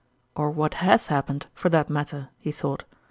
[" Or what has happened, for that mat ter !" he thought.